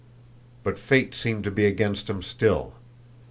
But fate seemed to be against him still.